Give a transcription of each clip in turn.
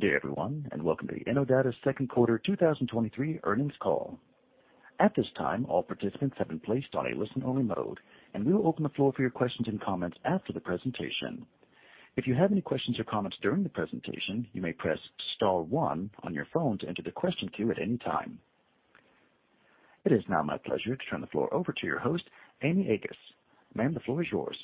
Good day, everyone, and welcome to the Innodata second quarter 2023 earnings call. At this time, all participants have been placed on a listen-only mode, and we will open the floor for your questions and comments after the presentation. If you have any questions or comments during the presentation, you may press star one on your phone to enter the question queue at any time. It is now my pleasure to turn the floor over to your host, Amy Agress. Ma'am, the floor is yours.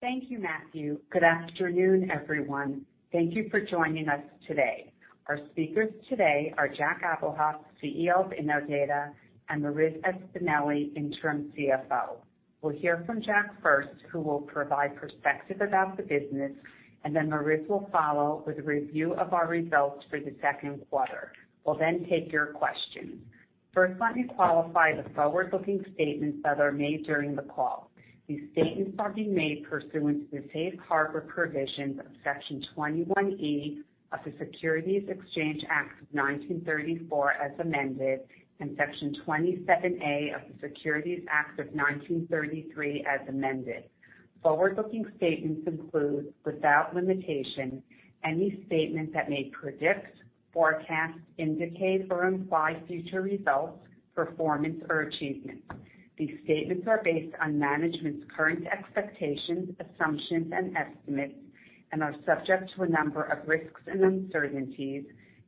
Thank you, Matthew. Good afternoon, everyone. Thank you for joining us today. Our speakers today are Jack Abuhoff, CEO of Innodata, and Marissa Espineli, interim CFO. We'll hear from Jack first, who will provide perspective about the business, and then Maritz will follow with a review of our results for the second quarter. We'll then take your questions. First, let me qualify the forward-looking statements that are made during the call. These statements are being made pursuant to the Safe Harbor provisions of Section 21E of the Securities Exchange Act of 1934, as amended, and Section 27A of the Securities Act of 1933, as amended. Forward-looking statements include, without limitation, any statements that may predict, forecast, indicate, or imply future results, performance, or achievement. These statements are based on management's current expectations, assumptions, and estimates and are subject to a number of risks and uncertainties,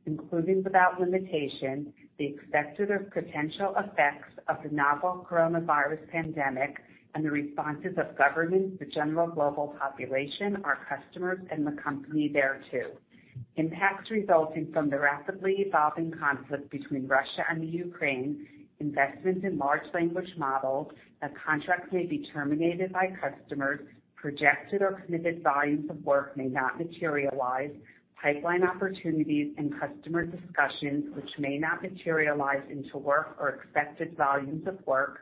including, without limitation, the expected or potential effects of the novel coronavirus pandemic and the responses of governments, the general global population, our customers, and the company thereto. Impacts resulting from the rapidly evolving conflict between Russia and Ukraine, investments in large language models, that contracts may be terminated by customers, projected or committed volumes of work may not materialize, pipeline opportunities and customer discussions which may not materialize into work or expected volumes of work,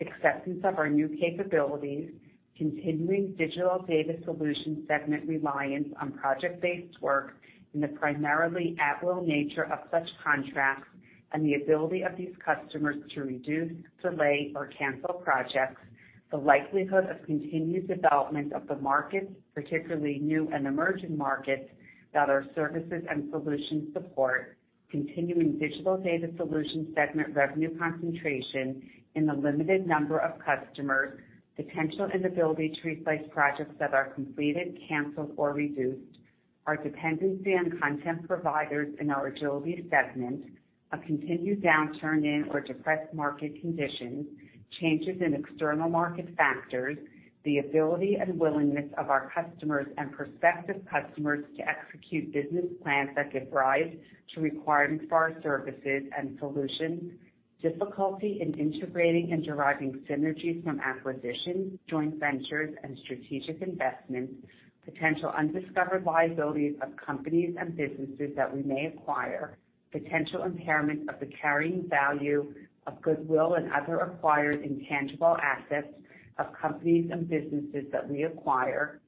acceptance of our new capabilities, continuing Digital Data Solutions segment reliance on project-based work, and the primarily at-will nature of such contracts, and the ability of these customers to reduce, delay, or cancel projects. The likelihood of continued development of the markets, particularly new and emerging markets, that our services and solutions support, continuing Digital Data Solutions segment revenue concentration in the limited number of customers, potential inability to replace projects that are completed, canceled, or reduced, our dependency on content providers in our Agility segment, a continued downturn in or depressed market conditions, changes in external market factors, the ability and willingness of our customers and prospective customers to execute business plans that give rise to requirements for our services and solutions. Difficulty in integrating and deriving synergies from acquisitions, joint ventures, and strategic investments. Potential undiscovered liabilities of companies and businesses that we may acquire. Potential impairment of the carrying value of goodwill and other acquired intangible assets of companies and businesses that we acquire.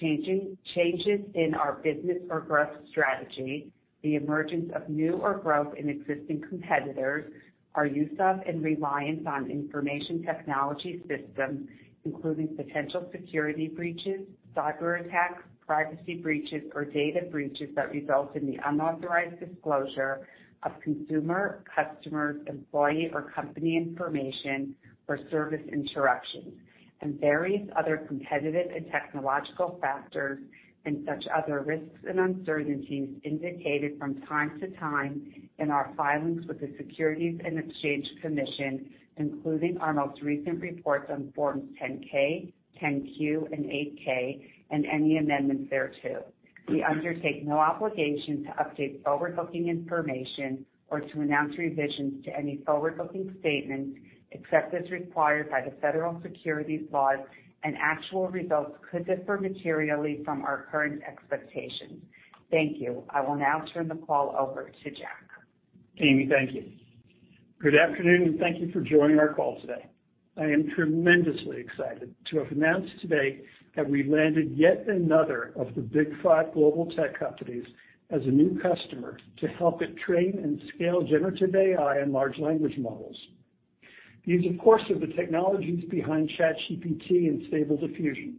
changes in our business or growth strategy. The emergence of new or growth in existing competitors. Our use of and reliance on information technology systems, including potential security breaches, cyberattacks, privacy breaches, or data breaches that result in the unauthorized disclosure of consumer, customers, employee, or company information or service interruptions, and various other competitive and technological factors, and such other risks and uncertainties indicated from time to time in our filings with the Securities and Exchange Commission, including our most recent reports on Forms 10-K, 10-Q, and 8-K, and any amendments thereto. We undertake no obligation to update forward-looking information or to announce revisions to any forward-looking statements, except as required by the Federal Securities Laws. Actual results could differ materially from our current expectations. Thank you. I will now turn the call over to Jack. Amy, thank you. Good afternoon, and thank you for joining our call today. I am tremendously excited to have announced today that we landed yet another of the Big Five global tech companies as a new customer to help it train and scale generative AI and large language models. These, of course, are the technologies behind ChatGPT and Stable Diffusion,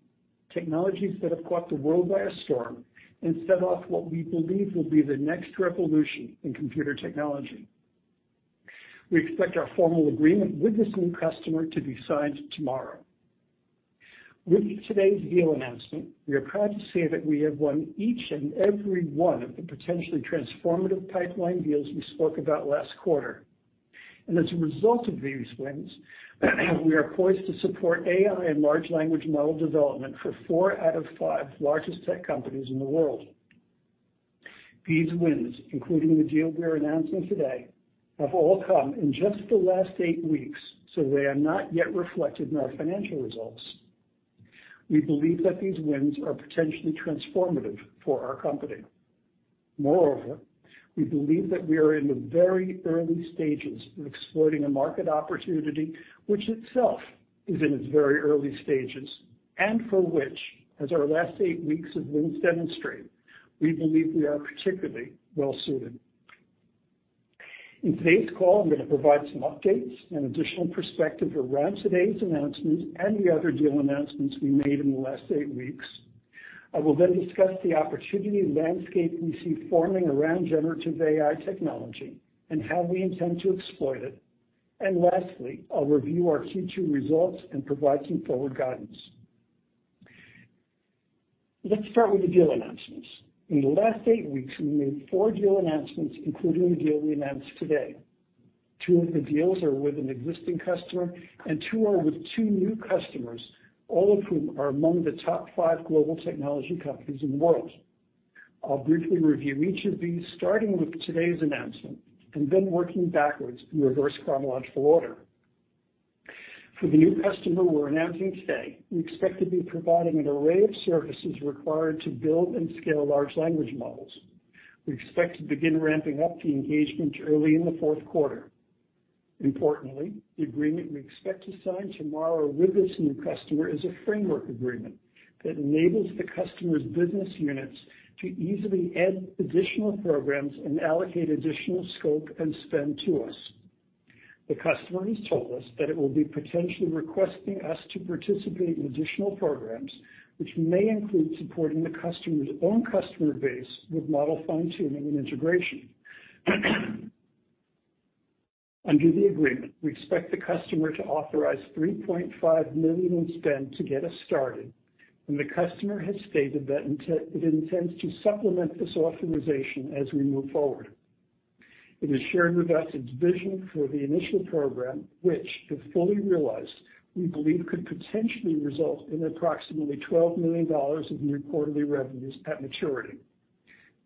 technologies that have caught the world by a storm and set off what we believe will be the next revolution in computer technology. We expect our formal agreement with this new customer to be signed tomorrow. With today's deal announcement, we are proud to say that we have won each and every one of the potentially transformative pipeline deals we spoke about last quarter. As a result of these wins, we are poised to support AI and large language model development for four out of five largest tech companies in the world. These wins, including the deal we are announcing today, have all come in just the last eight weeks, so they are not yet reflected in our financial results. We believe that these wins are potentially transformative for our company. Moreover, we believe that we are in the very early stages of exploiting a market opportunity, which itself is in its very early stages, and for which, as our last eight weeks have wins demonstrate, we believe we are particularly well suited. In today's call, I'm going to provide some updates and additional perspective around today's announcement and the other deal announcements we made in the last eight weeks. I will discuss the opportunity landscape we see forming around generative AI technology and how we intend to exploit it. Lastly, I'll review our Q2 results and provide some forward guidance. Let's start with the deal announcements. In the last eight weeks, we made four deal announcements, including the deal we announced today. Two of the deals are with an existing customer, and two are with two new customers, all of whom are among the top five global technology companies in the world. I'll briefly review each of these, starting with today's announcement and then working backwards in reverse chronological order. For the new customer we're announcing today, we expect to be providing an array of services required to build and scale large language models. We expect to begin ramping up the engagement early in the fourth quarter. Importantly, the agreement we expect to sign tomorrow with this new customer is a framework agreement that enables the customer's business units to easily add additional programs and allocate additional scope and spend to us. The customer has told us that it will be potentially requesting us to participate in additional programs, which may include supporting the customer's own customer base with model fine-tuning and integration. Under the agreement, we expect the customer to authorize $3.5 million in spend to get us started, and the customer has stated that it intends to supplement this authorization as we move forward. It has shared with us its vision for the initial program, which, if fully realized, we believe could potentially result in approximately $12 million of new quarterly revenues at maturity.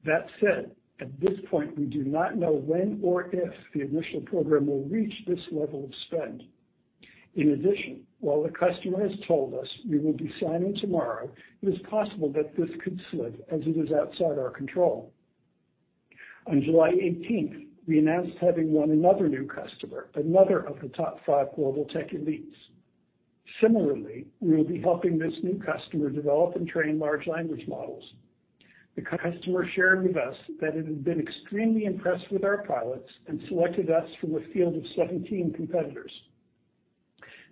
That said, at this point, we do not know when or if the initial program will reach this level of spend. In addition, while the customer has told us we will be signing tomorrow, it is possible that this could slip as it is outside our control. On July 18th, we announced having won another new customer, another of the top five global tech elites. Similarly, we will be helping this new customer develop and train large language models. The customer shared with us that it had been extremely impressed with our pilots and selected us from a field of 17 competitors.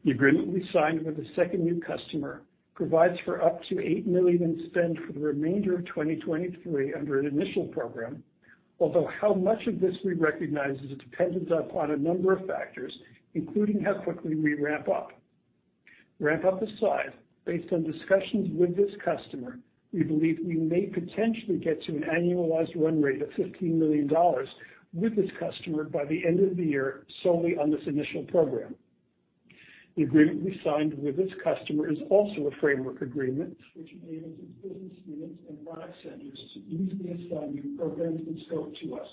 The agreement we signed with the second new customer provides for up to $8 million in spend for the remainder of 2023 under an initial program, although how much of this we recognize is dependent upon a number of factors, including how quickly we ramp up. Ramp up aside, based on discussions with this customer, we believe we may potentially get to an annualized run rate of $15 million with this customer by the end of the year, solely on this initial program. The agreement we signed with this customer is also a framework agreement, which enables its business units and product centers to easily assign new programs and scope to us.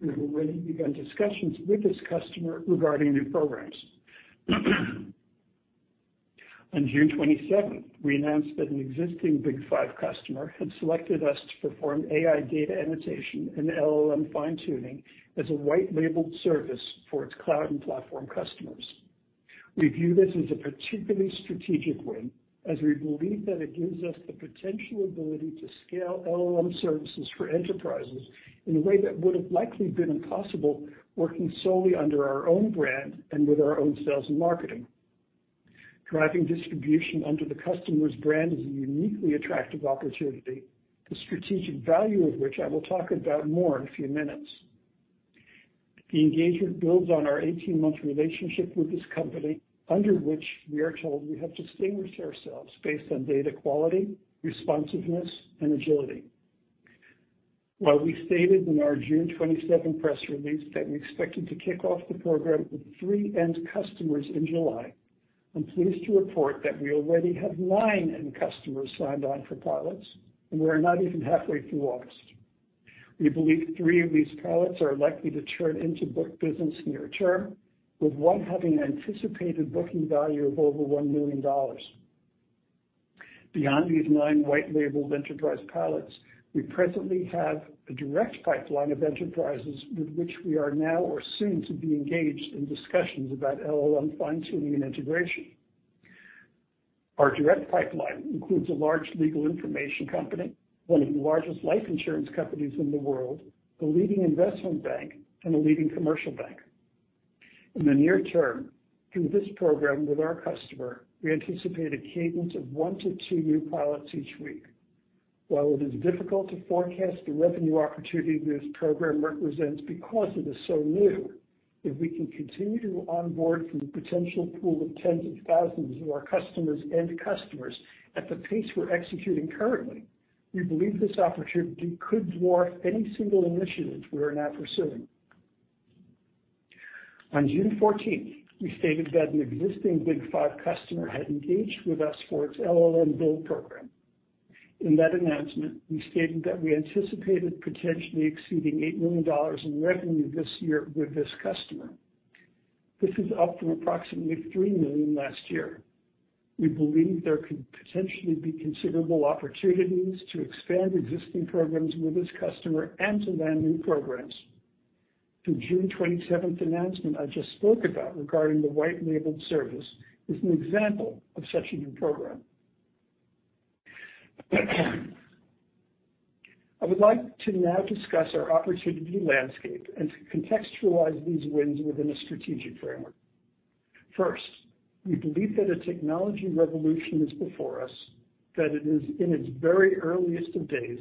We've already begun discussions with this customer regarding new programs. On June 27th, we announced that an existing Big Five customer had selected us to perform AI data annotation and LLM fine-tuning as a white-labeled service for its cloud and platform customers. We view this as a particularly strategic win, as we believe that it gives us the potential ability to scale LLM services for enterprises in a way that would have likely been impossible working solely under our own brand and with our own sales and marketing. Driving distribution under the customer's brand is a uniquely attractive opportunity, the strategic value of which I will talk about more in a few minutes. The engagement builds on our 18-month relationship with this company, under which we are told we have distinguished ourselves based on data quality, responsiveness, and agility. While we stated in our June 27th press release that we expected to kick off the program with three end customers in July, I'm pleased to report that we already have nine end customers signed on for pilots, and we are not even halfway through August. We believe three of these pilots are likely to turn into booked business near term, with 1 having an anticipated booking value of over $1 million. Beyond these 9 white-labeled enterprise pilots, we presently have a direct pipeline of enterprises with which we are now or soon to be engaged in discussions about LLM fine-tuning and integration. Our direct pipeline includes a large legal information company, one of the largest life insurance companies in the world, a leading investment bank, and a leading commercial bank. In the near term, through this program with our customer, we anticipate a cadence ofone to two new pilots each week. While it is difficult to forecast the revenue opportunity this program represents because it is so new, if we can continue to onboard from the potential pool of tens of thousands of our customers and customers at the pace we're executing currently, we believe this opportunity could dwarf any single initiative we are now pursuing. On June 14th, we stated that an existing Big Five customer had engaged with us for its LLM build program. In that announcement, we stated that we anticipated potentially exceeding $8 million in revenue this year with this customer. This is up from approximately $3 million last year. We believe there could potentially be considerable opportunities to expand existing programs with this customer and to land new programs. The June 27th announcement I just spoke about regarding the white-labeled service is an example of such a new program. I would like to now discuss our opportunity landscape and to contextualize these wins within a strategic framework. First, we believe that a technology revolution is before us, that it is in its very earliest of days,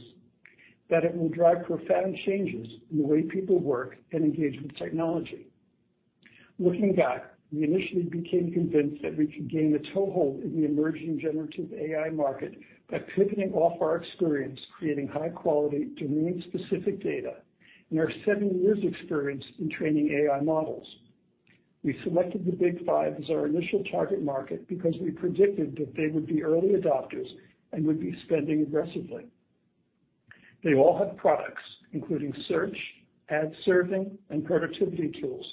that it will drive profound changes in the way people work and engage with technology. Looking back, we initially became convinced that we could gain a toehold in the emerging generative AI market by pivoting off our experience, creating high quality, domain-specific data, and our seven years experience in training AI models. We selected the Big Five as our initial target market because we predicted that they would be early adopters and would be spending aggressively. They all have products, including search, ad serving, and productivity tools,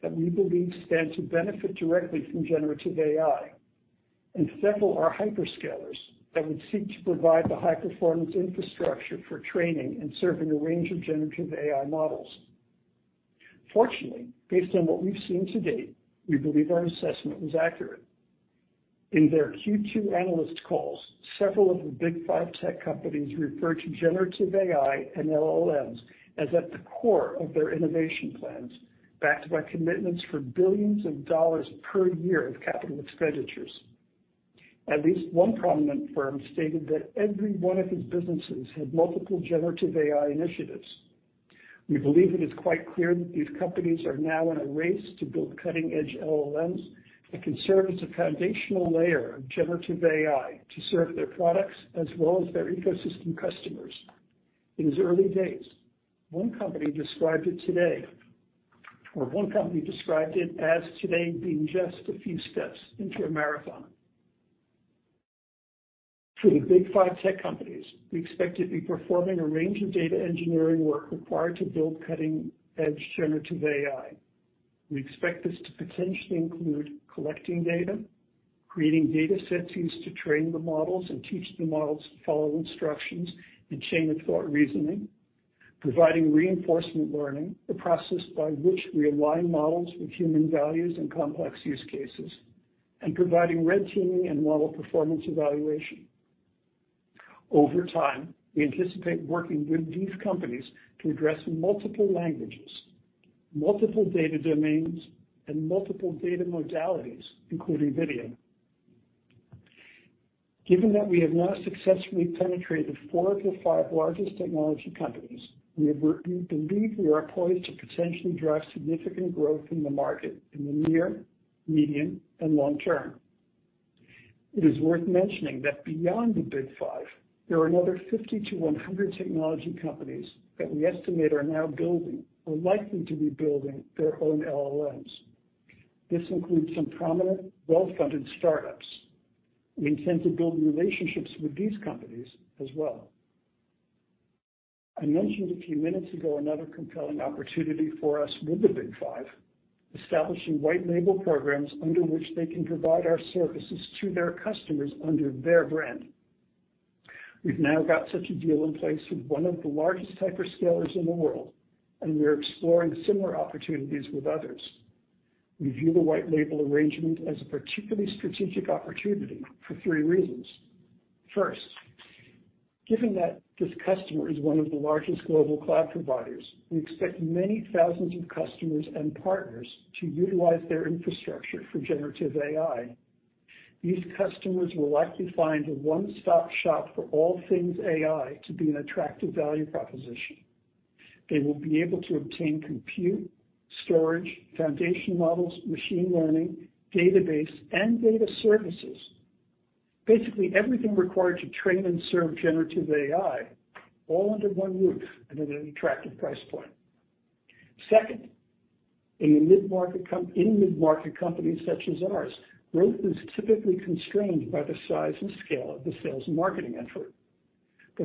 that we believe stand to benefit directly from generative AI, and several are hyperscalers that would seek to provide the high-performance infrastructure for training and serving a range of generative AI models. Fortunately, based on what we've seen to date, we believe our assessment was accurate. In their Q2 analyst calls, several of the Big Five tech companies referred to generative AI and LLMs as at the core of their innovation plans, backed by commitments for billions of dollars per year of capital expenditures. At least one prominent firm stated that every one of his businesses had multiple generative AI initiatives. We believe it is quite clear that these companies are now in a race to build cutting-edge LLMs that can serve as a foundational layer of generative AI to serve their products as well as their ecosystem customers. It is early days. One company described it today, or one company described it as today being just a few steps into a marathon. For the Big Five tech companies, we expect to be performing a range of data engineering work required to build cutting-edge generative AI. We expect this to potentially include collecting data, creating data sets used to train the models and teach the models to follow instructions and chain-of-thought reasoning, providing reinforcement learning, the process by which we align models with human values and complex use cases, and providing red teaming and model performance evaluation. Over time, we anticipate working with these companies to address multiple languages, multiple data domains, and multiple data modalities, including video. Given that we have now successfully penetrated four of the five largest technology companies, we believe we are poised to potentially drive significant growth in the market in the near, medium, and long term. It is worth mentioning that beyond the Big Five, there are another 50-100 technology companies that we estimate are now building or likely to be building their own LLMs. This includes some prominent, well-funded startups. We intend to build relationships with these companies as well. I mentioned a few minutes ago another compelling opportunity for us with the Big Five, establishing white label programs under which they can provide our services to their customers under their brand. We've now got such a deal in place with one of the largest hyperscalers in the world, and we are exploring similar opportunities with others. We view the white label arrangement as a particularly strategic opportunity for three reasons. First, given that this customer is one of the largest global cloud providers, we expect many thousands of customers and partners to utilize their infrastructure for generative AI. These customers will likely find a one-stop shop for all things AI to be an attractive value proposition. They will be able to obtain compute, storage, foundation models, machine learning, database, and data services, basically everything required to train and serve generative AI, all under one roof and at an attractive price point. Second, in a mid-market companies such as ours, growth is typically constrained by the size and scale of the sales and marketing effort.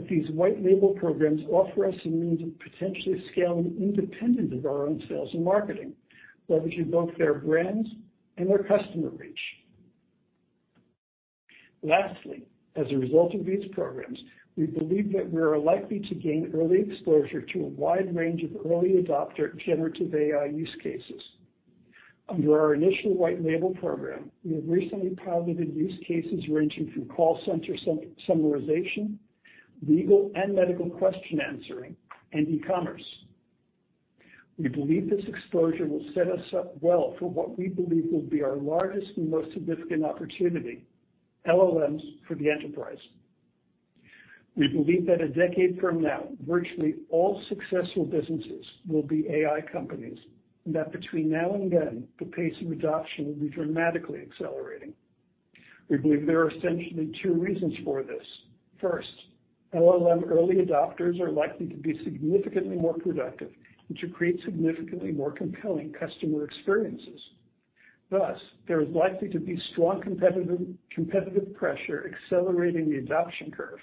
These white label programs offer us a means of potentially scaling independent of our own sales and marketing, leveraging both their brands and their customer reach. Lastly, as a result of these programs, we believe that we are likely to gain early exposure to a wide range of early adopter generative AI use cases. Under our initial white label program, we have recently piloted use cases ranging from call center summarization, legal and medical question answering, and e-commerce. We believe this exposure will set us up well for what we believe will be our largest and most significant opportunity, LLMs for the enterprise. We believe that a decade from now, virtually all successful businesses will be AI companies, and that between now and then, the pace of adoption will be dramatically accelerating. We believe there are essentially two reasons for this. First, LLM early adopters are likely to be significantly more productive and to create significantly more compelling customer experiences. Thus, there is likely to be strong competitive pressure accelerating the adoption curve.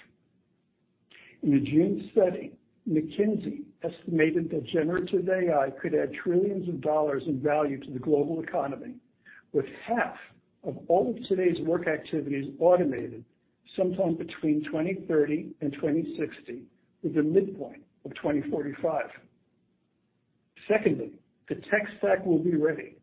In a June study, McKinsey estimated that generative AI could add $trillions in value to the global economy, with half of all of today's work activities automated sometime between 2030 and 2060, with a midpoint of 2045. Secondly, the tech stack will be ready.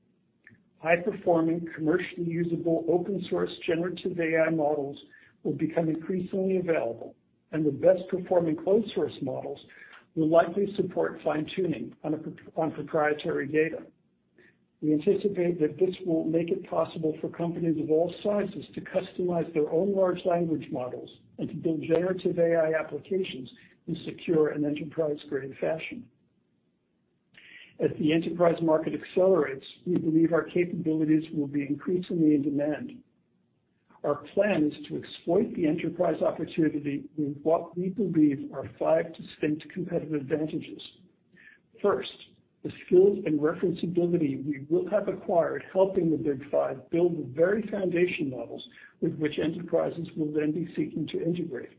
High-performing, commercially usable, open source, generative AI models will become increasingly available, and the best performing closed source models will likely support fine-tuning on proprietary data. We anticipate that this will make it possible for companies of all sizes to customize their own large language models and to build generative AI applications in secure and enterprise-grade fashion. As the enterprise market accelerates, we believe our capabilities will be increasingly in demand. Our plan is to exploit the enterprise opportunity with what we believe are five distinct competitive advantages. First, the skills and referenceability we will have acquired, helping the Big Five build the very foundation models with which enterprises will then be seeking to integrate.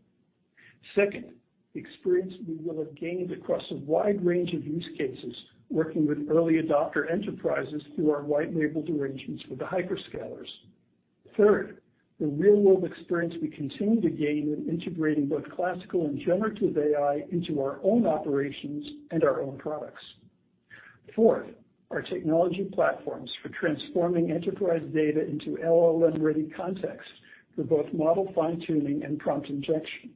Second, the experience we will have gained across a wide range of use cases, working with early adopter enterprises through our white labeled arrangements with the hyperscalers. Third, the real-world experience we continue to gain in integrating both classical and generative AI into our own operations and our own products. Fourth, our technology platforms for transforming enterprise data into LLM-ready context for both model fine-tuning and prompt injection.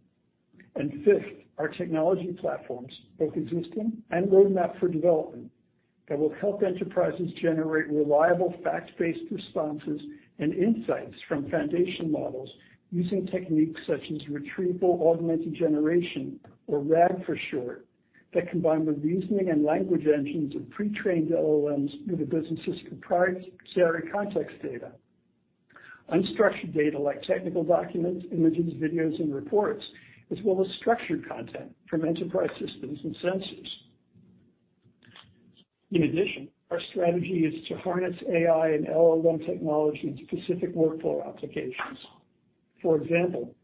Fifth, our technology platforms, both existing and roadmap for development, that will help enterprises generate reliable, fact-based responses and insights from foundation models using techniques such as Retrieval Augmented Generation, or RAG for short, that combine the reasoning and language engines of pre-trained LLMs with a business's proprietary context data. Unstructured data like technical documents, images, videos, and reports, as well as structured content from enterprise systems and sensors. In addition, our strategy is to harness AI and LLM technology into specific workflow applications. For example,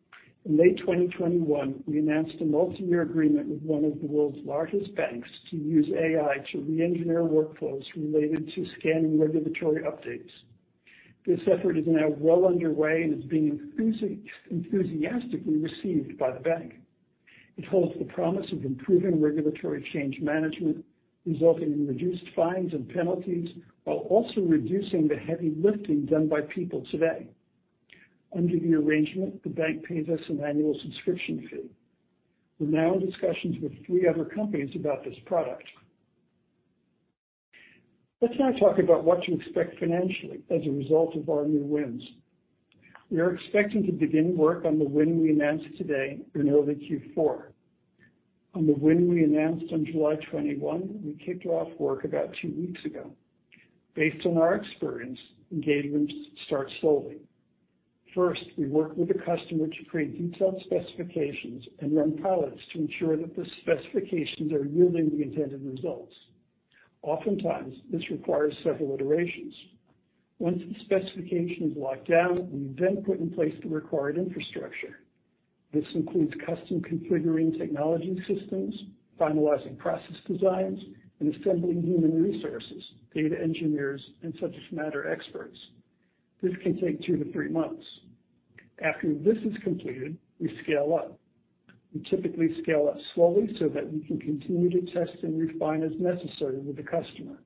in May 2021, we announced a multiyear agreement with one of the world's largest banks to use AI to reengineer workflows related to scanning regulatory updates. This effort is now well underway and is being enthusiastically received by the bank. It holds the promise of improving regulatory change management, resulting in reduced fines and penalties, while also reducing the heavy lifting done by people today. Under the arrangement, the bank pays us an annual subscription fee. We're now in discussions with three other companies about this product. Let's now talk about what to expect financially as a result of our new wins. We are expecting to begin work on the win we announced today in early Q4. On the win we announced on July 21, we kicked off work about two weeks ago. Based on our experience, engagements start slowly. First, we work with the customer to create detailed specifications and run pilots to ensure that the specifications are yielding the intended results. Oftentimes, this requires several iterations. Once the specification is locked down, we then put in place the required infrastructure. This includes custom configuring technology systems, finalizing process designs, and assembling human resources, data engineers, and subject matter experts. This can take 2 to 3 months. After this is completed, we scale up. We typically scale up slowly so that we can continue to test and refine as necessary with the customer.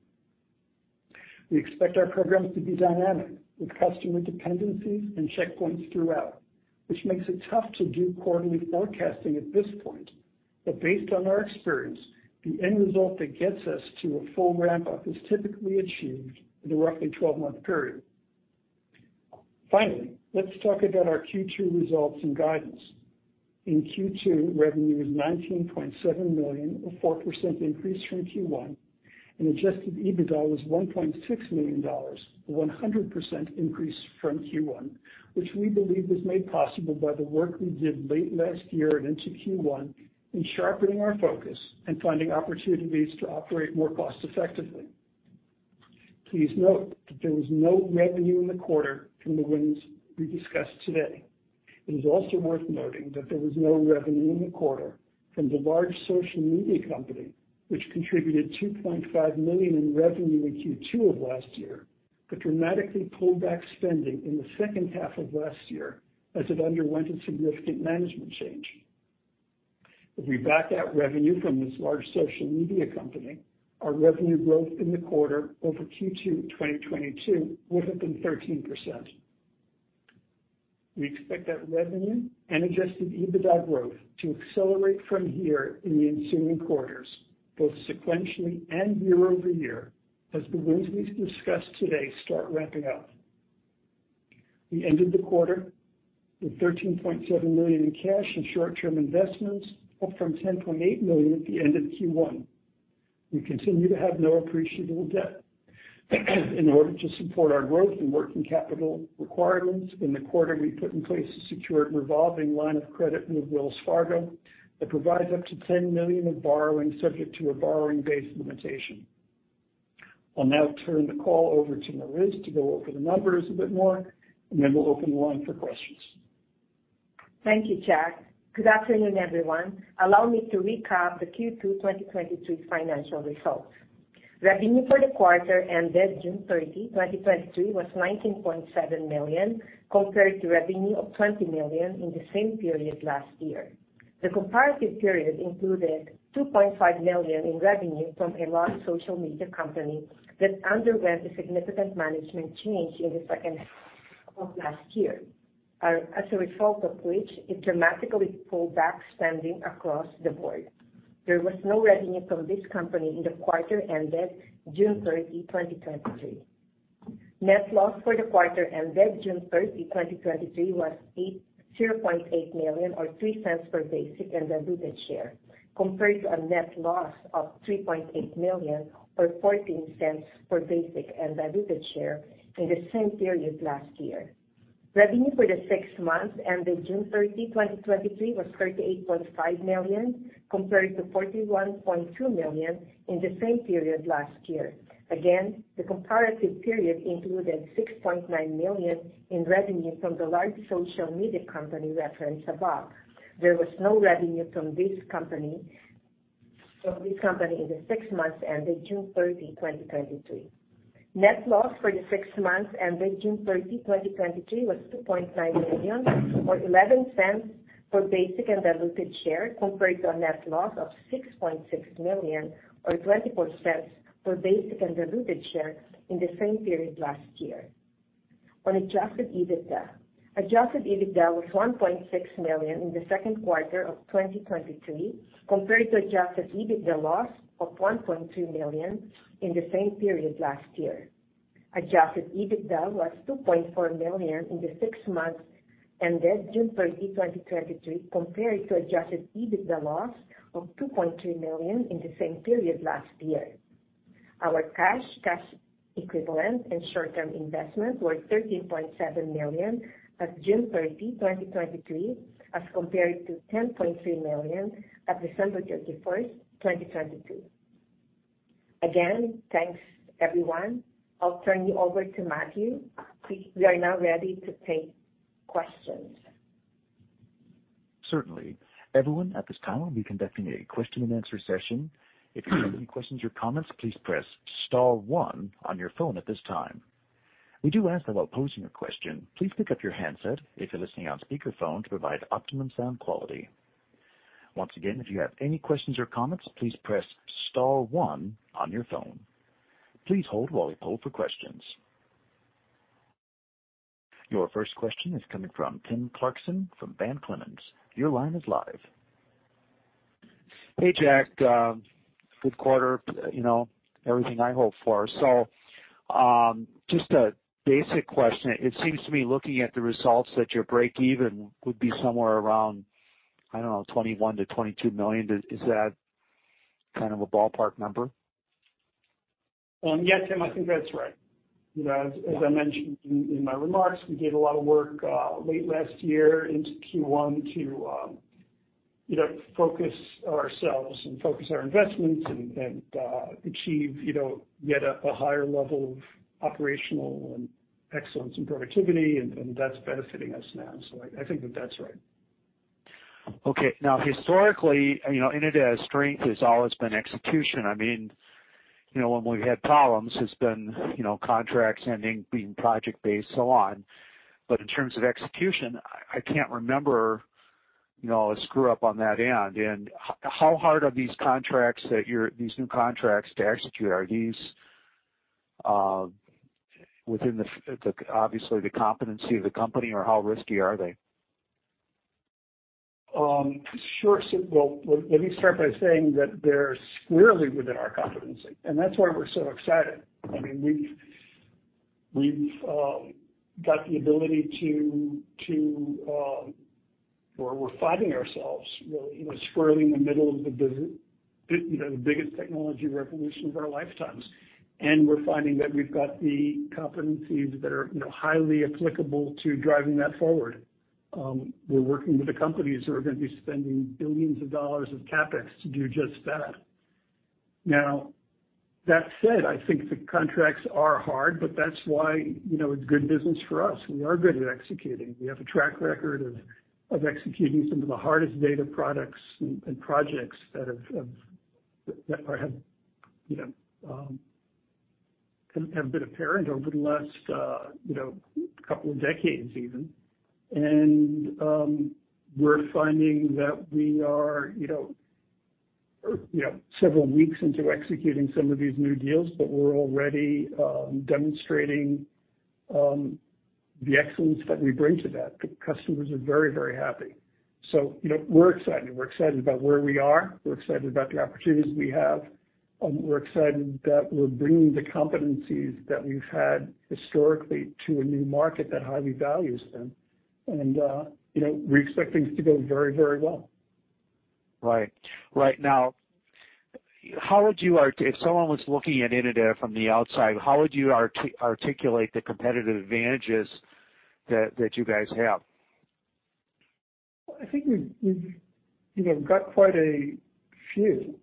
We expect our programs to be dynamic, with customer dependencies and checkpoints throughout, which makes it tough to do quarterly forecasting at this point. Based on our experience, the end result that gets us to a full ramp-up is typically achieved in a roughly 12-month period. Finally, let's talk about our Q2 results and guidance. In Q2, revenue was $19.7 million, a 4% increase from Q1, and adjusted EBITDA was $1.6 million, a 100% increase from Q1, which we believe was made possible by the work we did late last year and into Q1 in sharpening our focus and finding opportunities to operate more cost effectively. Please note that there was no revenue in the quarter from the wins we discussed today. It is also worth noting that there was no revenue in the quarter from the large social media company, which contributed $2.5 million in revenue in Q2 of last year, but dramatically pulled back spending in the second half of last year as it underwent a significant management change. If we back out revenue from this large social media company, our revenue growth in the quarter over Q2 2022 would have been 13%. We expect that revenue and adjusted EBITDA growth to accelerate from here in the ensuing quarters, both sequentially and year-over-year, as the wins we've discussed today start ramping up. We ended the quarter with $13.7 million in cash and short-term investments, up from $10.8 million at the end of Q1. We continue to have no appreciable debt. In order to support our growth and working capital requirements, in the quarter, we put in place a secured revolving line of credit with Wells Fargo that provides up to $10 million of borrowing, subject to a borrowing-based limitation. I'll now turn the call over to Mariz to go over the numbers a bit more, and then we'll open the line for questions. Thank you, Chuck. Good afternoon, everyone. Allow me to recap the Q2 2023 financial results. Revenue for the quarter ended June 30, 2023, was $19.7 million, compared to revenue of $20 million in the same period last year. The comparative period included $2.5 million in revenue from a large social media company that underwent a significant management change in the second half of last year, as a result of which it dramatically pulled back spending across the board. There was no revenue from this company in the quarter ended June 30, 2023. Net loss for the quarter ended June 30, 2023, was $0.8 million, or $0.03 per basic and diluted share, compared to a net loss of $3.8 million, or $0.14 per basic and diluted share in the same period last year. Revenue for the six months ended June 30, 2023, was $38.5 million, compared to $41.2 million in the same period last year. Again, the comparative period included $6.9 million in revenue from the large social media company referenced above. There was no revenue from this company in the six months ended June 30, 2023. Net loss for the six months ended June 30, 2023, was $2.9 million, or $0.11 per basic and diluted share, compared to a net loss of $6.6 million or $0.24 per basic and diluted share in the same period last year. On adjusted EBITDA, adjusted EBITDA was $1.6 million in the second quarter of 2023, compared to adjusted EBITDA loss of $1.2 million in the same period last year. Adjusted EBITDA was $2.4 million in the six months ended June 30, 2023, compared to adjusted EBITDA loss of $2.3 million in the same period last year. Our cash, cash equivalent and short-term investments were $13.7 million at June 30, 2023, as compared to $10.3 million at December 31, 2022. Again, thanks, everyone. I'll turn you over to Matthew. We are now ready to take questions. Certainly. Everyone, at this time, we can conduct a question-and-answer session. If you have any questions or comments, please press star one on your phone at this time. We do ask that while posing your question, please pick up your handset if you're listening on speakerphone to provide optimum sound quality. Once again, if you have any questions or comments, please press star one on your phone. Please hold while we poll for questions. Your first question is coming from Tim Clarkson from Van Clemens. Your line is live. Hey, Jack, good quarter, you know, everything I hope for. Just a basic question. It seems to me, looking at the results, that your breakeven would be somewhere around, I don't know, $21 million-$22 million. Is, is that kind of a ballpark number? Yes, Tim, I think that's right. You know, as, as I mentioned in, in my remarks, we did a lot of work late last year into Q1 to, you know, focus ourselves and focus our investments and, and, achieve, you know, yet a, a higher level of operational and excellence and productivity, and, and that's benefiting us now. I, I think that that's right. Okay. Now, historically, you know, Innodata's strength has always been execution. I mean, you know, when we've had problems, it's been, you know, contracts ending, being project-based, so on. In terms of execution, I, I can't remember, you know, a screw up on that end. How hard are these contracts that these new contracts to execute? Are these within the, the, obviously, the competency of the company, or how risky are they? Sure. Well, let me start by saying that they're squarely within our competency, and that's why we're so excited. I mean, we've, we've got the ability to. Well, we're finding ourselves, well, you know, squarely in the middle of the, you know, the biggest technology revolution of our lifetimes. We're finding that we've got the competencies that are, you know, highly applicable to driving that forward. We're working with the companies that are gonna be spending $ billions of CapEx to do just that. That said, I think the contracts are hard, but that's why, you know, it's good business for us. We are good at executing. We have a track record of executing some of the hardest data products and projects that have, you know, been apparent over the last, you know, couple of decades even. We're finding that we are, you know, several weeks into executing some of these new deals, but we're already demonstrating the excellence that we bring to that. The customers are very, very happy. We're excited. We're excited about where we are. We're excited about the opportunities we have, we're excited that we're bringing the competencies that we've had historically to a new market that highly values them. We expect things to go very, very well. Right. Right now, how would you if someone was looking at Innodata from the outside, how would you articulate the competitive advantages that, that you guys have? I think we've, we've, you know, got quite a few.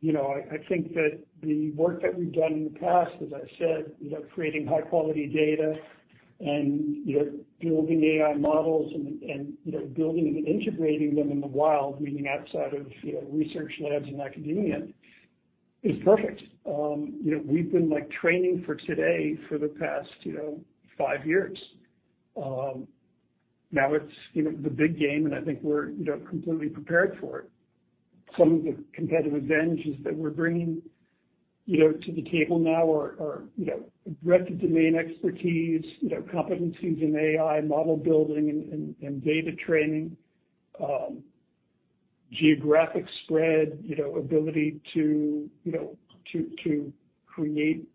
You know, I, I think that the work that we've done in the past, as I said, you know, creating high-quality data and, you know, building AI models and, and, you know, building and integrating them in the wild, meaning outside of, you know, research labs and academia. It's perfect. You know, we've been, like, training for today for the past, you know, five years. Now it's, you know, the big game, and I think we're, you know, completely prepared for it. Some of the competitive advantages that we're bringing, you know, to the table now are, are, you know, breadth of domain expertise, you know, competencies in AI, model building and, and, and data training, geographic spread, you know, ability to, you know, to, to create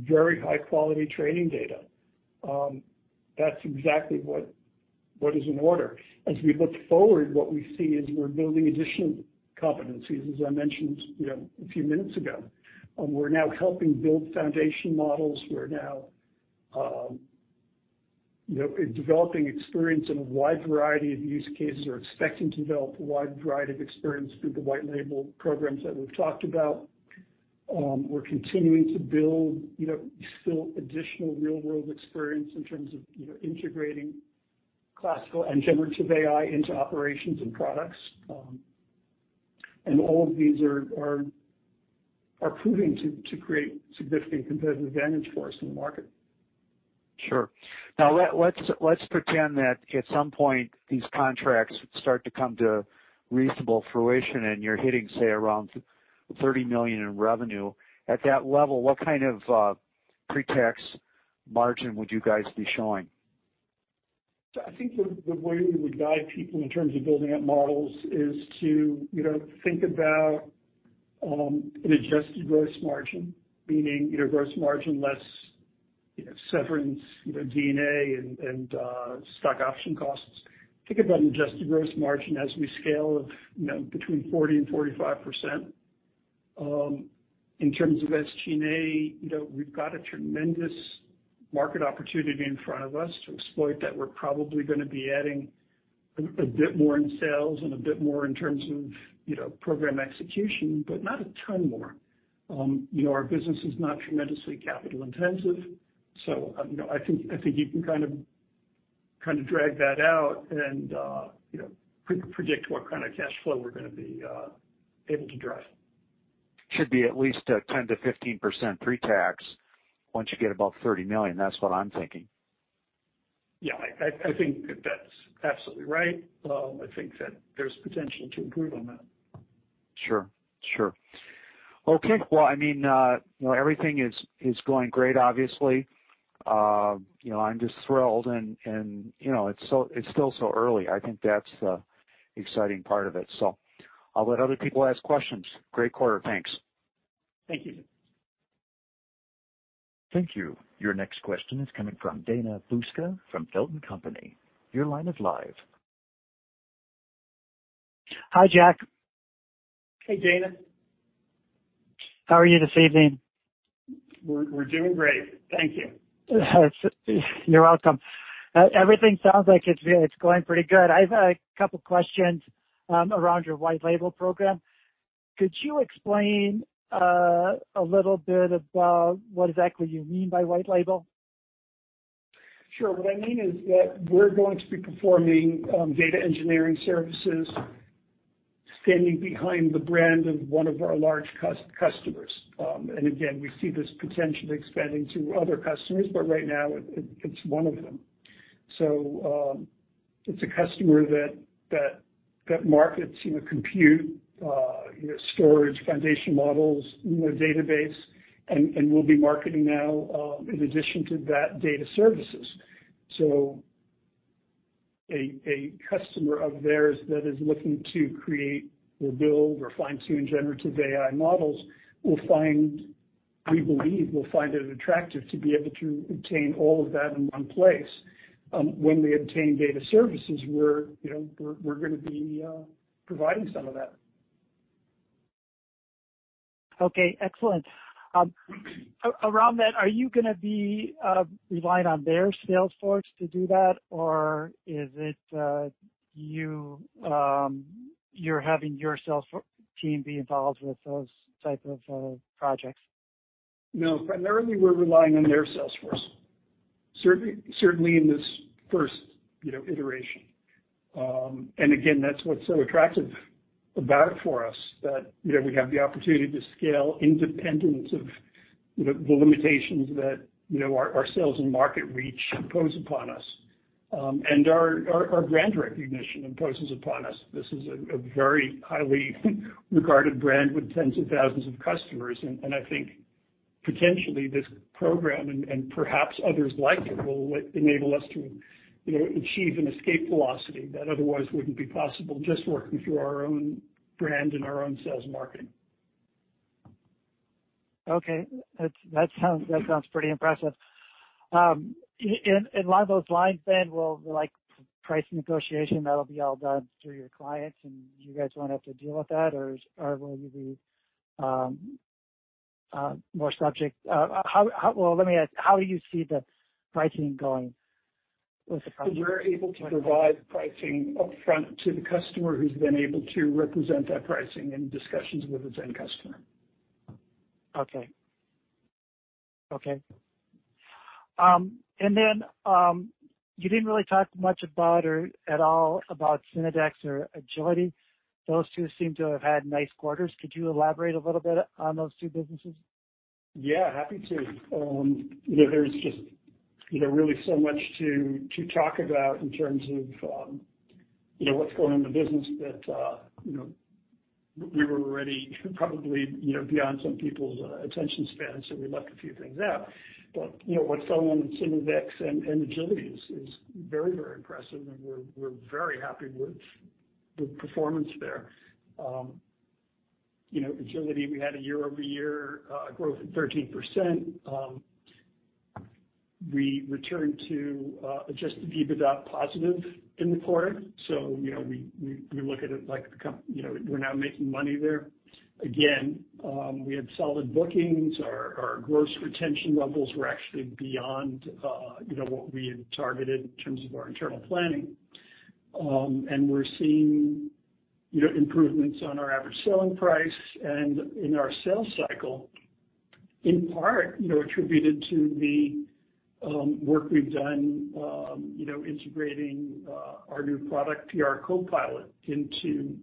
very high-quality training data. That's exactly what, what is in order. As we look forward, what we see is we're building additional competencies. As I mentioned, you know, a few minutes ago, we're now helping build foundation models. We're now, you know, developing experience in a wide variety of use cases, are expecting to develop a wide variety of experience through the white label programs that we've talked about. We're continuing to build, you know, still additional real-world experience in terms of, you know, integrating classical and generative AI into operations and products. All of these are, are, are proving to, to create significant competitive advantage for us in the market. Sure. Now let's pretend that at some point, these contracts start to come to reasonable fruition, and you're hitting, say, around $30 million in revenue. At that level, what kind of pre-tax margin would you guys be showing? I think the, the way we would guide people in terms of building out models is to, you know, think about an adjusted gross margin, meaning, you know, gross margin less, you know, severance, you know, G&A and, and stock option costs. Think about an adjusted gross margin as we scale of, you know, between 40%-45%. In terms of SG&A, you know, we've got a tremendous market opportunity in front of us to exploit that. We're probably gonna be adding a, a bit more in sales and a bit more in terms of, you know, program execution, but not a ton more. you know, our business is not tremendously capital intensive, so, you know, I think, I think you can kind of, kind of drag that out and, you know, predict what kind of cash flow we're gonna be able to drive. Should be at least a 10%-15% pre-tax once you get above $30 million. That's what I'm thinking. Yeah, I, I, I think that that's absolutely right. I think that there's potential to improve on that. Sure, sure. Okay, well, I mean, you know, everything is, is going great, obviously. You know, I'm just thrilled and, and, you know, it's still so early. I think that's the exciting part of it. I'll let other people ask questions. Great quarter. Thanks. Thank you. Thank you. Your next question is coming from Dana Buska from Feltl and Company. Your line is live. Hi, Jack. Hey, Dana. How are you this evening? We're, we're doing great. Thank you. You're welcome. Everything sounds like it's it's going pretty good. I have a couple questions, around your white label program. Could you explain, a little bit about what exactly you mean by white label? Sure. What I mean is that we're going to be performing data engineering services standing behind the brand of one of our large customers. Again, we see this potentially expanding to other customers, but right now, it, it, it's one of them. It's a customer that, that, that markets, you know, compute, you know, storage, foundation models, you know, database. We'll be marketing now, in addition to that, data services. A customer of theirs that is looking to create or build or fine-tune generative AI models will find, we believe, will find it attractive to be able to obtain all of that in one place. When they obtain data services, we're, you know, we're, we're gonna be providing some of that. Okay, excellent. Around that, are you gonna be relying on their sales force to do that, or is it you, you're having your sales team be involved with those type of projects? No, primarily we're relying on their sales force, certainly in this first, you know, iteration. Again, that's what's so attractive about it for us, that, you know, we have the opportunity to scale independent of, the, the limitations that, you know, our sales and market reach impose upon us, and our brand recognition imposes upon us. This is a very highly regarded brand with tens of thousands of customers, and I think potentially this program, and perhaps others like it, will enable us to, you know, achieve an escape velocity that otherwise wouldn't be possible, just working through our own brand and our own sales marketing. Okay. That's, that sounds, that sounds pretty impressive. Along those lines then, will, like, price negotiation, that'll be all done through your clients, and you guys won't have to deal with that, or, or will you be, more subject... Well, let me ask, how do you see the pricing going with the product? We're able to provide pricing upfront to the customer, who's then able to represent that pricing in discussions with its end customer. Okay.... Okay. Then, you didn't really talk much about or at all about Synodex or Agility. Those two seem to have had nice quarters. Could you elaborate a little bit on those two businesses? Yeah, happy to. You know, there's just, you know, really so much to, to talk about in terms of, you know, what's going on in the business that, you know, we were already probably, you know, beyond some people's attention spans, so we left a few things out. But, you know, what's going on in Synodex and Agility is, is very, very impressive, and we're, we're very happy with the performance there. You know, Agility, we had a year-over-year growth of 13%. We returned to adjusted EBITDA positive in the quarter. You know, we, we, we look at it like, you know, we're now making money there. Again, we had solid bookings. Our, our gross retention levels were actually beyond, you know, what we had targeted in terms of our internal planning. And we're seeing, you know, improvements on our average selling price and in our sales cycle, in part, you know, attributed to the work we've done, you know, integrating our new product, PR CoPilot, into,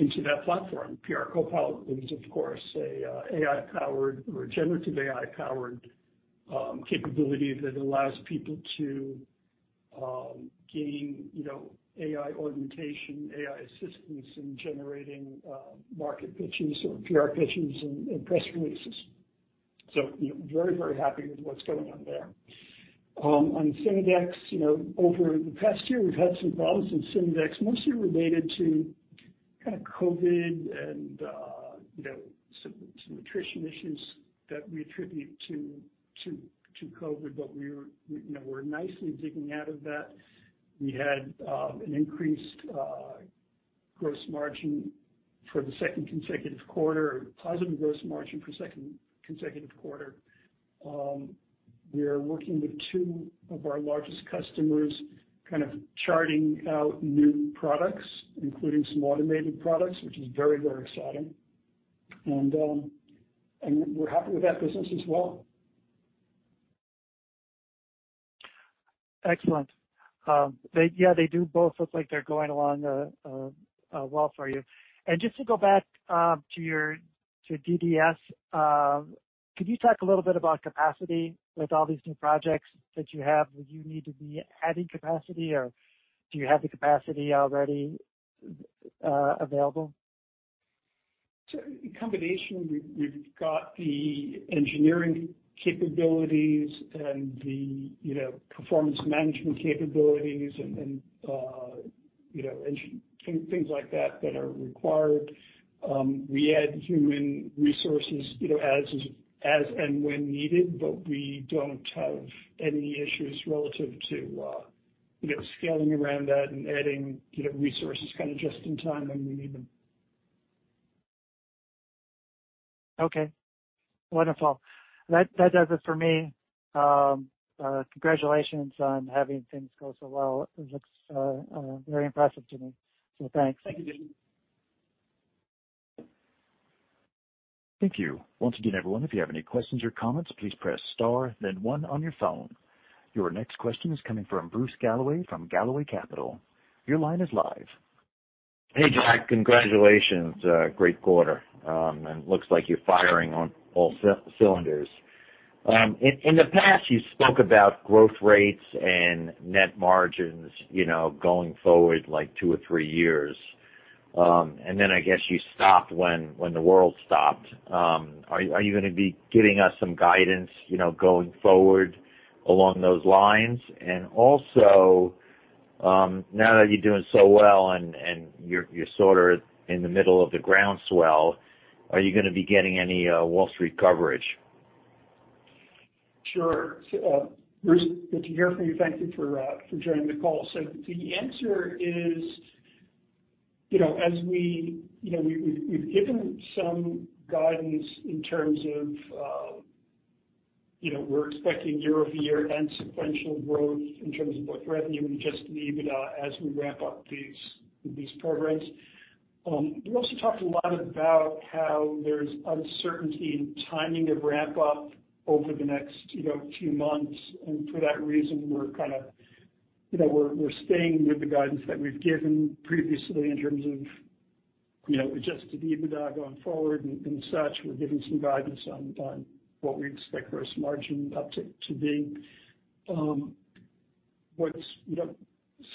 into that platform. PR CoPilot is, of course, a AI-powered or generative AI-powered capability that allows people to gain, you know, AI augmentation, AI assistance in generating market pitches or PR pitches and, and press releases. You know, very, very happy with what's going on there. On Synodex, you know, over the past year, we've had some problems in Synodex, mostly related to kind of COVID and, you know, some, some attrition issues that we attribute to, to, to COVID, but we're, you know, we're nicely digging out of that. We had an increased gross margin for the second consecutive quarter, a positive gross margin for second consecutive quarter. We are working with two of our largest customers, kind of charting out new products, including some automated products, which is very, very exciting. We're happy with that business as well. Excellent. Yeah, they do both look like they're going along well for you. Just to go back to your, to DDS, could you talk a little bit about capacity with all these new projects that you have? Would you need to be adding capacity, or do you have the capacity already available? In combination, we've, we've got the engineering capabilities and the, you know, performance management capabilities and, and, you know, things like that, that are required. We add human resources, you know, as, as and when needed, but we don't have any issues relative to, you know, scaling around that and adding, you know, resources kind of just in time when we need them. Okay, wonderful. That, that does it for me. Congratulations on having things go so well. It looks very impressive to me. Thanks. Thank you, J. Thank you. Once again, everyone, if you have any questions or comments, please press star then one on your phone. Your next question is coming from Bruce Galloway from Galloway Capital. Your line is live. Hey, Jack, congratulations. Great quarter. Looks like you're firing on all cylinders. In the past, you spoke about growth rates and net margins, you know, going forward, like two or three years. I guess you stopped when, when the world stopped. Are you gonna be giving us some guidance, you know, going forward along those lines? Also, now that you're doing so well and you're sort of in the middle of the groundswell, are you gonna be getting any Wall Street coverage? Sure. Bruce, good to hear from you. Thank you for joining the call. The answer is, you know, we, we've, we've given some guidance in terms of, you know, we're expecting year-over-year and sequential growth in terms of both revenue and adjusted EBITDA as we ramp up these, these programs. We also talked a lot about how there's uncertainty in timing of ramp up over the next, you know, few months, and for that reason, we're kind of, you know, we're, we're staying with the guidance that we've given previously in terms of, you know, adjusted EBITDA going forward and, and such. We're giving some guidance on, on what we expect gross margin up to, to be. What's, you know,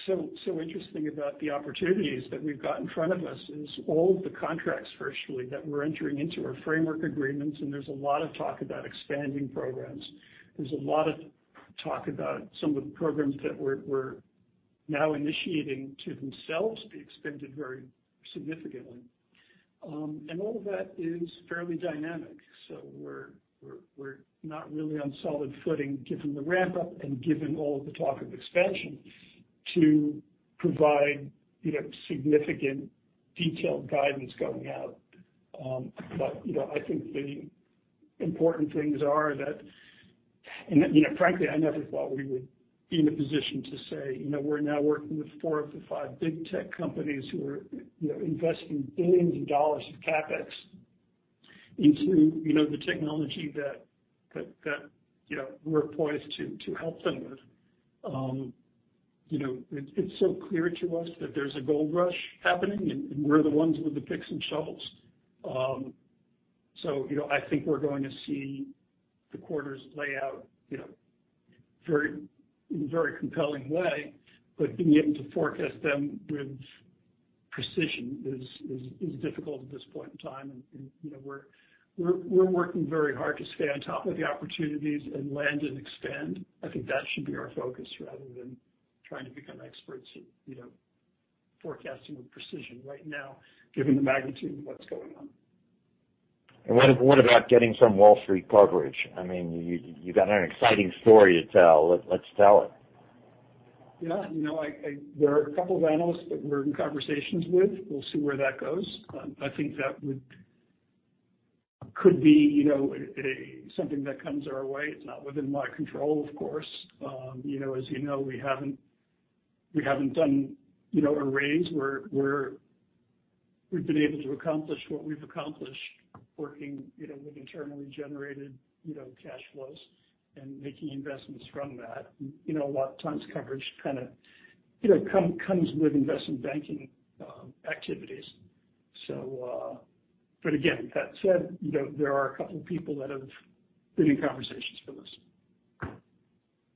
so, so interesting about the opportunities that we've got in front of us is all of the contracts, virtually, that we're entering into are framework agreements, and there's a lot of talk about expanding programs. There's a lot of talk about some of the programs that we're, we're now initiating to themselves be expanded very significantly. All of that is fairly dynamic. We're, we're, we're not really on solid footing, given the ramp-up and given all of the talk of expansion, to provide, you know, significant detailed guidance going out. You know, I think the important things are that-... You know, frankly, I never thought we would be in a position to say, you know, we're now working with four of the five Big Five companies who are, you know, investing $ billions of CapEx into, you know, the technology that, you know, we're poised to help them with. You know, it's so clear to us that there's a gold rush happening, and we're the ones with the picks and shovels. You know, I think we're going to see the quarters lay out, you know, very, in a very compelling way. Being able to forecast them with precision is difficult at this point in time. You know, we're working very hard to stay on top of the opportunities and land and expand. I think that should be our focus rather than trying to become experts at, you know, forecasting with precision right now, given the magnitude of what's going on. What about getting some Wall Street coverage? I mean, you got an exciting story to tell. Let's tell it. Yeah, you know, there are a couple of analysts that we're in conversations with. We'll see where that goes. I think that could be, you know, something that comes our way. It's not within my control, of course. You know, as you know, we haven't, we haven't done, you know, a raise. We're, we've been able to accomplish what we've accomplished working, you know, with internally generated, you know, cash flows and making investments from that. You know, a lot of times coverage kind of, you know, comes with investment banking activities. But again, that said, you know, there are a couple of people that have been in conversations with us.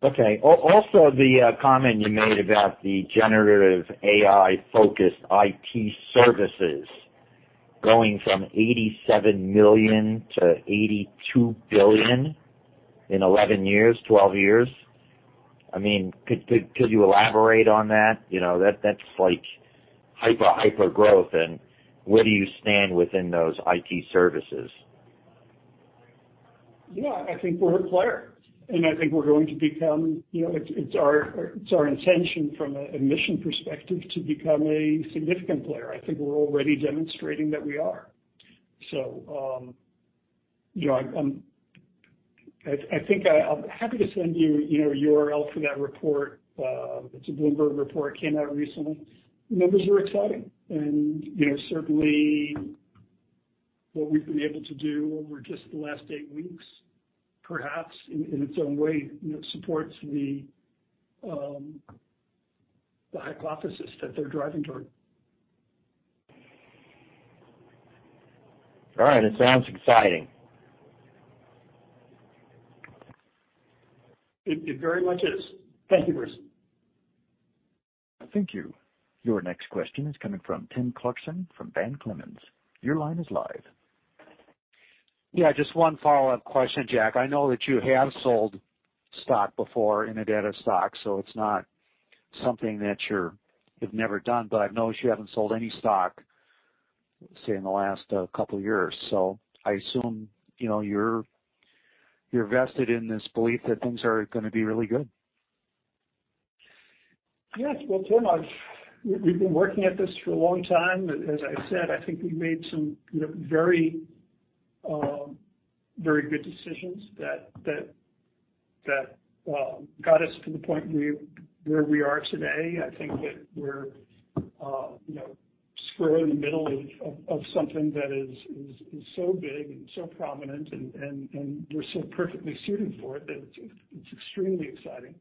Okay. Al-also, the comment you made about the generative AI-focused IT services going from $87 million-$82 billion in 11 years, 12 years. I mean, could, could, could you elaborate on that? You know, that-that's like hyper, hyper growth, and where do you stand within those IT services? Yeah, I think we're a player, and I think we're going to become, you know, it's, it's our, it's our intention from a mission perspective to become a significant player. I think we're already demonstrating that we are. You know, I'm happy to send you, you know, a URL for that report. It's a Bloomberg report, came out recently. Numbers are exciting, you know, certainly what we've been able to do over just the last eight weeks, perhaps in, in its own way, you know, supports the hypothesis that they're driving toward. All right, it sounds exciting. It, it very much is. Thank you, Bruce. Thank you. Your next question is coming from Tim Clarkson, from Van Clemens. Your line is live. Yeah, just one follow-up question, Jack. I know that you have sold stock before in Innodata stock, so it's not something that you're- you've never done. I've noticed you haven't sold any stock, say, in the last couple of years. I assume, you know, you're, you're vested in this belief that things are gonna be really good. Yes. Well, Tim, I've we've been working at this for a long time. As I said, I think we made some, you know, very good decisions that got us to the point where we are today. I think that we're, you know, square in the middle of something that is so big and so prominent and we're so perfectly suited for it, that it's extremely exciting.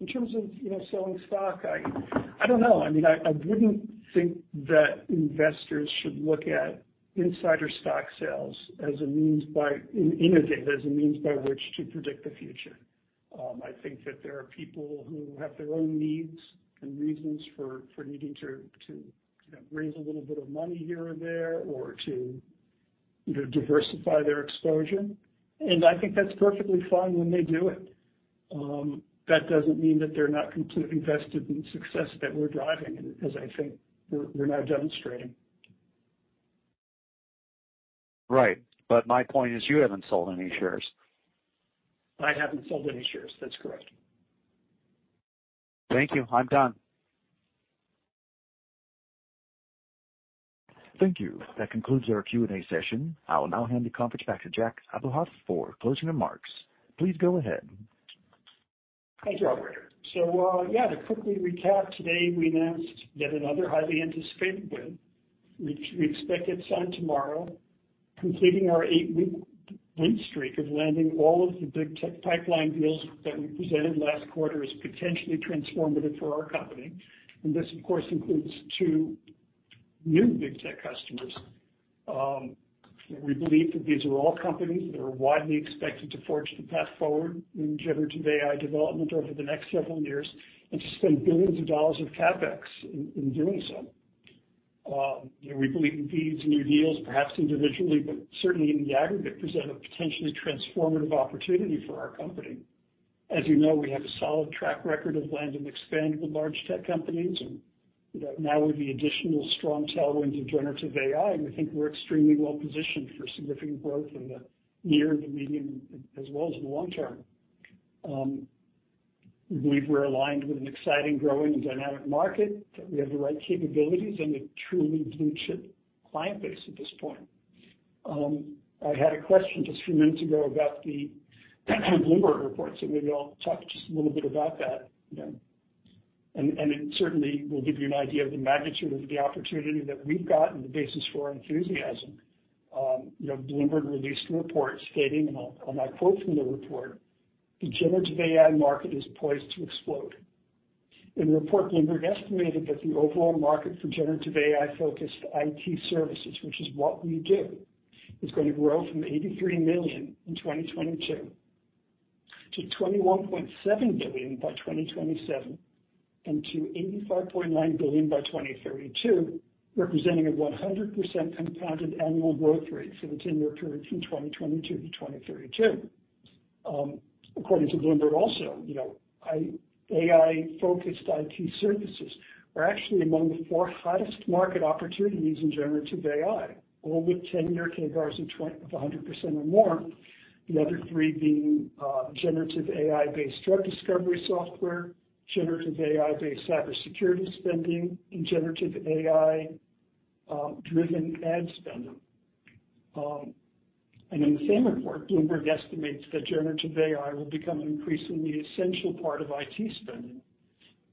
In terms of, you know, selling stock, I don't know. I mean, I wouldn't think that investors should look at insider stock sales as a means by which to predict the future. I think that there are people who have their own needs and reasons for, for needing to, to, you know, raise a little bit of money here or there, or to, you know, diversify their exposure, and I think that's perfectly fine when they do it. That doesn't mean that they're not completely vested in the success that we're driving, and as I think we're, we're now demonstrating. Right. My point is, you haven't sold any shares. I haven't sold any shares. That's correct. Thank you. I'm done. Thank you. That concludes our Q&A session. I will now hand the conference back to Jack Abuhoff for closing remarks. Please go ahead. Thanks, operator. Yeah, to quickly recap, today, we announced yet another highly anticipated win, which we expect to sign tomorrow, completing our eight-week win streak of landing all of the big tech pipeline deals that we presented last quarter as potentially transformative for our company. This, of course, includes two new big tech customers. We believe that these are all companies that are widely expected to forge the path forward in generative AI development over the next several years and to spend billions of dollars of CapEx in, in doing so. You know, we believe these new deals, perhaps individually, but certainly in the aggregate, present a potentially transformative opportunity for our company. As you know, we have a solid track record of land and expand with large tech companies, you know, now with the additional strong tailwinds in generative AI, we think we're extremely well positioned for significant growth in the near and the medium, as well as the long term. We believe we're aligned with an exciting, growing, and dynamic market, that we have the right capabilities and a truly blue-chip client base at this point. I had a question just a few minutes ago about the Bloomberg report, so maybe I'll talk just a little bit about that, you know, it certainly will give you an idea of the magnitude of the opportunity that we've got and the basis for our enthusiasm. You know, Bloomberg released a report stating, and I'll now quote from the report, "The generative AI market is poised to explode." In the report, Bloomberg estimated that the overall market for generative AI-focused IT services, which is what we do, is gonna grow from $83 million in 2022 to $21.7 billion by 2027, and to $85.9 billion by 2032, representing a 100% compounded annual growth rate for the 10-year period from 2022-2032. According to Bloomberg also, you know, AI-focused IT services are actually among the four hottest market opportunities in generative AI, all with 10-year CAGR of 100% or more. The other three being, generative AI-based drug discovery software, generative AI-based cybersecurity spending, and generative AI driven ad spending. In the same report, Bloomberg estimates that generative AI will become an increasingly essential part of IT spending.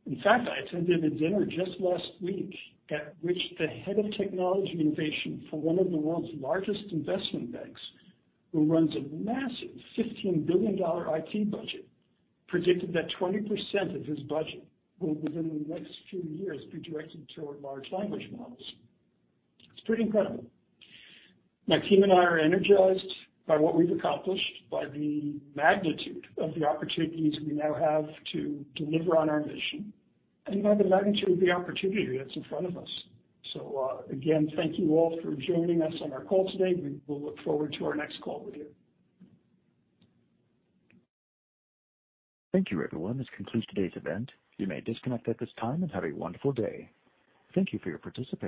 In fact, I attended a dinner just last week at which the head of technology innovation for one of the world's largest investment banks, who runs a massive $15 billion IT budget, predicted that 20% of his budget will, within the next few years, be directed toward large language models. It's pretty incredible. My team and I are energized by what we've accomplished, by the magnitude of the opportunities we now have to deliver on our mission, and by the magnitude of the opportunity that's in front of us. Again, thank you all for joining us on our call today. We will look forward to our next call with you. Thank you, everyone. This concludes today's event. You may disconnect at this time, and have a wonderful day. Thank you for your participation.